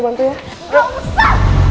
ntar gue bantu ya